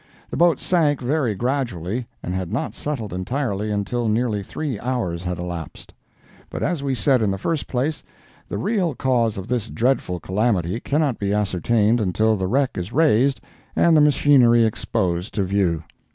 The boat sank very gradually, and had not settled entirely until nearly three hours had elapsed. But as we said in the first place, the real cause of this dreadful calamity cannot be ascertained until the wreck is raised and the machinery exposed to view.